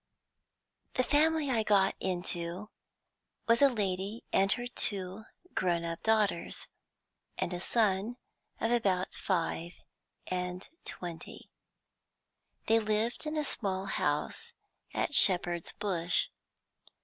"The family I got into was a lady and her two grown up daughters, and a son of about five and twenty. They lived in a small house at Shepherd's Bush.